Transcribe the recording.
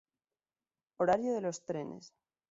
Horario de los trenes